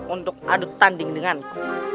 untuk aduk tanding denganku